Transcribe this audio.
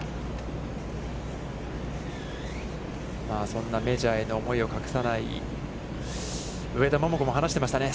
そんなメジャーへの思いを隠さない上田桃子も話していましたね。